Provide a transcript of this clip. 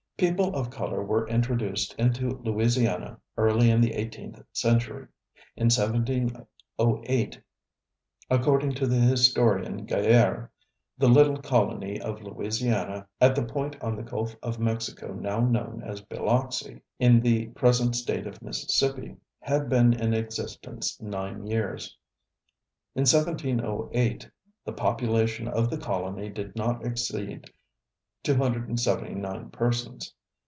People of color were introduced into Louisiana early in the eighteenth century. In 1708, according to the historian, Gayarr├®, the little colony of Louisiana, at the point on the Gulf of Mexico now known as Biloxi, in the present State of Mississippi, had been in existence nine years. In 1708, the population of the colony did not exceed 279 persons.